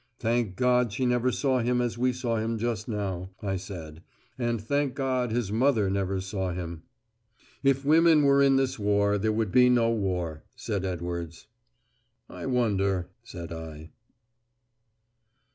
"Thank God she never saw him as we saw him just now," I said, "and thank God his mother never saw him." "If women were in this war, there would be no war," said Edwards. "I wonder," said I.